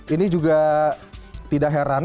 ini juga tidak heran